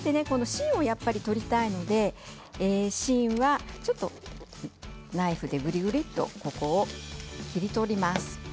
芯をやっぱり取りたいので芯がちょっとナイフでぐりぐりと切り取ります。